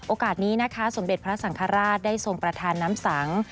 โอกาสนี้นะคะสมเด็จพระสังฆราชได้ทรงประธานน้ำสัง